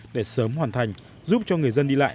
để sớm hoàn thành giúp cho người dân đi lại